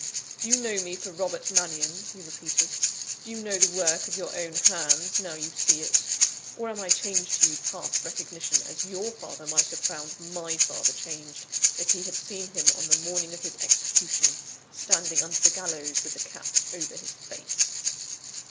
"Do you know me for Robert Mannion?" he repeated. "Do you know the work of your own hands, now you see it? Or, am I changed to you past recognition, as your father might have found my father changed, if he had seen him on the morning of his execution, standing under the gallows, with the cap over his face?"